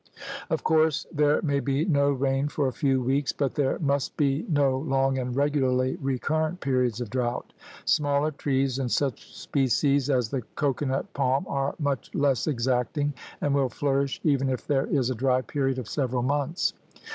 Of course there may be no rain for a few weeks, but there must be no long and regularly recurrent periods of drought. Smaller trees and such species as the cocoanut palm are much less exacting and will flourish even if there is a dry period of several months.